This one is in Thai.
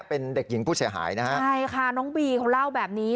เป็นเด็กหญิงผู้เสียหายนะฮะใช่ค่ะน้องบีเขาเล่าแบบนี้